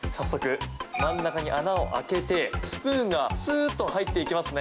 真ん中に穴を開けてスプーンがスッと入っていきますね。